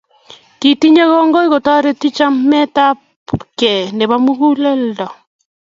Ketinyei kongoi kotoreti chametapkei nepo muguleldo